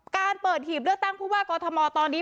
การเปิดหีบเลือกตั้งผู้ว่ากอทมตอนนี้